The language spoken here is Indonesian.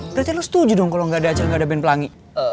berarti lo setuju dong kalau gak ada acil gak ada ben pelangi